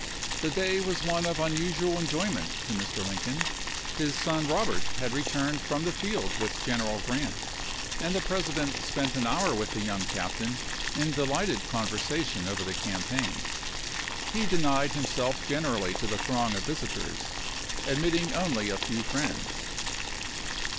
The day was one of unusual enjoy ment to Mr. Lincoln. His son Robert had returned from the field with General Grant, and the Presi dent spent an hour with the young captain in de lighted conversation over the campaign. He denied himself generally to the throng of visitors, admit ting only a few friends.